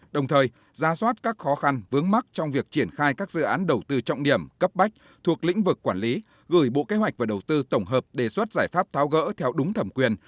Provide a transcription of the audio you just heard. đồng thời ra soát các khó khăn vướng mắt trong việc triển khai các dự án đầu tư trọng điểm cấp bách thuộc lĩnh vực quản lý gửi bộ kế hoạch và đầu tư tổng hợp đề xuất giải pháp tháo gỡ theo đúng thẩm quyền